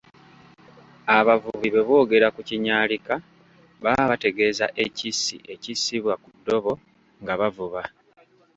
Abavubi bwe boogera ku kinyaalika baba bategeeza ekissi ekissibwa ku ddobo nga bavuba.